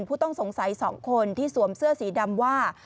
ผู้ต้องสงสัย๒คนที่สวมเสื้อสีดำว่า